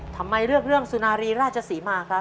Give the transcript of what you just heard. ทำไมเลือกเรื่องสุนารีราชศรีมาครับ